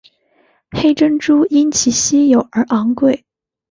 黑珍珠因其稀有而昂贵。